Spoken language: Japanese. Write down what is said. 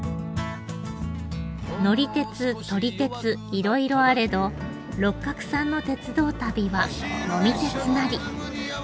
いろいろあれど六角さんの鉄道旅は呑み鉄なり。